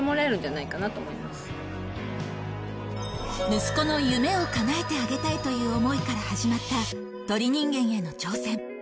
息子の夢を叶えてあげたいという想いから始まった鳥人間への挑戦